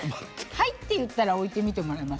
「はい！」って言ったら置いてみてもらえます？